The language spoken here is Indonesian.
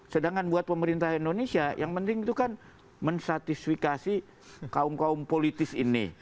sedangkan buat pemerintah indonesia yang penting itu kan mensatisifikasi kaum kaum politis ini